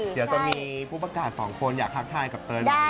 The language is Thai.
อยากจะมีผู้ประกาศ๒คนอยากทักษายกับเติ้ล